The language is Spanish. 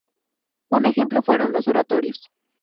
Un ejemplo fueron los oratorios.